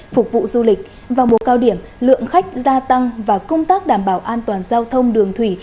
phục vụ du lịch vào mùa cao điểm lượng khách gia tăng và công tác đảm bảo an toàn giao thông đường thủy